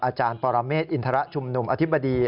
อาจารย์ปรเมฆอินทรชุมนุมอธิบดี